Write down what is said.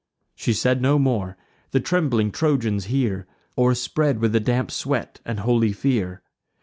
She said no more. The trembling Trojans hear, O'erspread with a damp sweat and holy fear.